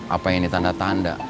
apa ini tanda tanda